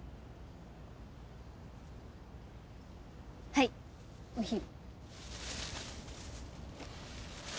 はいお昼。